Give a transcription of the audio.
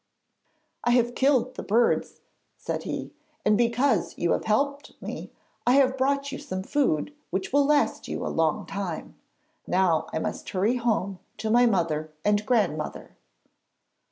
'I have killed the birds,' said he, 'and because you have helped me, I have brought you some food which will last you a long time. Now I must hurry home to my mother and grandmother.'